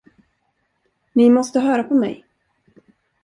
Ni måste höra på mig.